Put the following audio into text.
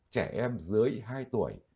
trẻ em dưới hai tuổi